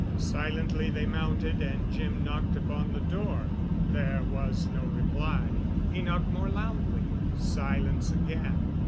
Silently they mounted and Jim knocked upon the door. There was no reply. He knocked more loudly. Silence again.